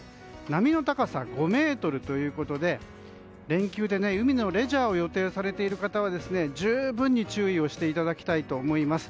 波の高さ５ｍということで連休で海のレジャーを予定されている方は十分に注意していただきたいと思います。